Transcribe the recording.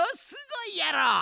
すごいやろ。